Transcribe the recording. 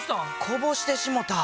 こぼしてしもた。